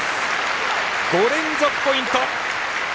５連続ポイント！